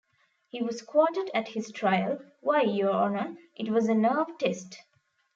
He was quoted at his trial: Why, Your Honor, it was a nerve test.